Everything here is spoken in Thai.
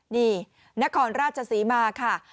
นครราชสีมาอีกค่ะ